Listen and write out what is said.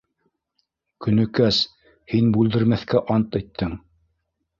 Көнөкәс, һин бүлдермәҫкә ант иттең!